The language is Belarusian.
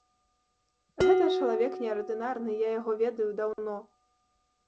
Гэта чалавек неардынарны, я яго ведаю даўно.